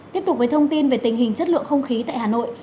tiếp tục với thông tin về tình hình chất lượng không khí tại hà nội